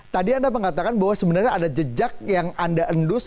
tadi anda mengatakan bahwa sebenarnya ada jejak yang anda endus